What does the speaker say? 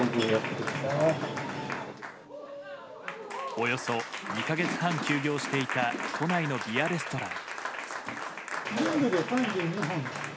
およそ２か月半休業していた都内のビアレストラン。